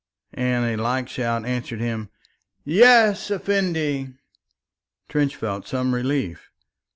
and a like shout answered him, "Yes, Effendi." Trench felt some relief.